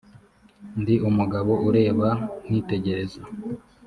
ndi umugabo ureba nkitegereza.